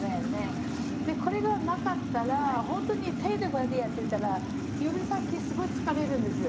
でこれがなかったらほんとに手でこうやってやってたら指先すごい疲れるんですよ。